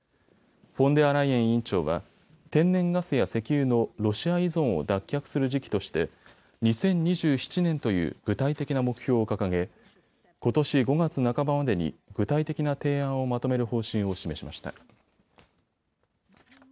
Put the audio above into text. フォンデアライエン委員長は、天然ガスや石油のロシア依存を脱却する時期として２０２７年という具体的な目標を掲げ、ことし５月半ばまでに具体的な提案をまとめる方針を示しました。